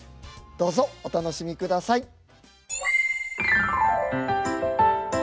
どうぞお楽しみください。